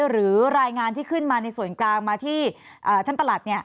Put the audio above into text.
หรือรายงานที่ขึ้นมาในส่วนกลางมาที่ท่านประหลัด